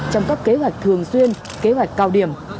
trong các kế hoạch thường xuyên kế hoạch cao điểm